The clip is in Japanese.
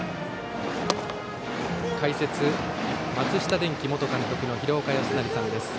解説は松下電器元監督の廣岡資生さんです。